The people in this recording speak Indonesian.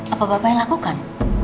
apa bapak yang lakukan